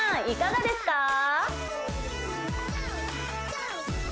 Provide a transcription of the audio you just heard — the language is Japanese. いかがですか？